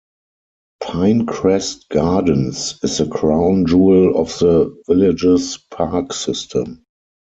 Pinecrest Gardens is the crown jewel of the village's park system.